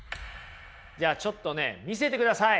じゃあちょっとね見せてください。